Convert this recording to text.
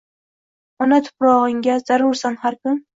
Ona tuprog’ingga zarursan har kun